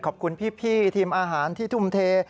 ขอบคุณพี่ทีมอาหารที่ทุ่มเท